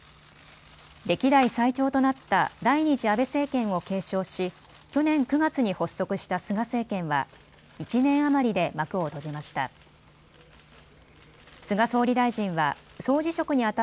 歴代最長となった第２次安倍政権を継承し去年９月に発足した菅政権は１年余りで幕を閉じました。